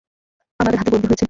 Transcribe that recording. আমাদের হাতে বন্দী হয়েছে।